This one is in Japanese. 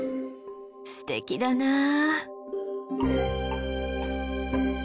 すてきだなあ。